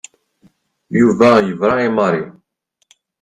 Yuba yebra i Mary.